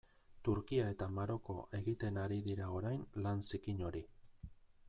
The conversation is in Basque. Turkia eta Maroko egiten ari dira orain lan zikin hori.